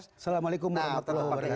assalamualaikum warahmatullahi wabarakatuh